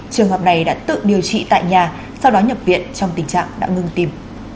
trường hợp này đã tự điều trị tại nhà sau đó nhập viện trong tình trạng đã ngừng tim